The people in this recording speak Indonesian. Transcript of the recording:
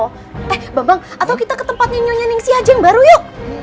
eh babang atau kita ke tempatnya nyanyi ningsi aja yang baru yuk